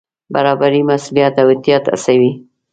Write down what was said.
برابري مسوولیت او احتیاط هڅوي.